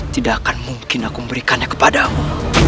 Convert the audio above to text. tidak akan mungkin aku memberikannya kepada mu